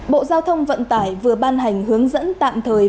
bộ giao thông vận tải vừa ban hành hướng dẫn tạm thời